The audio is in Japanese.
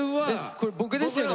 これ僕ですよね？